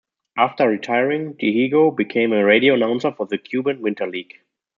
After retiring, Dihigo became a radio announcer for the Cuban Winter League.